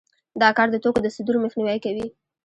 دا کار د توکو د صدور مخنیوی کوي